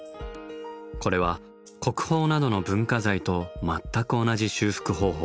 これは国宝などの文化財と全く同じ修復方法。